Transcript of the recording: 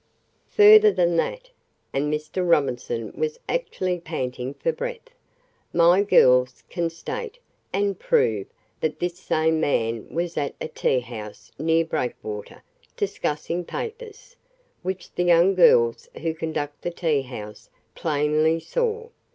Further than that," and Mr. Robinson was actually panting for breath, "my girls can state, and prove, that this same man was at a tea house near Breakwater discussing papers, which the young girls who conduct the tea house plainly saw.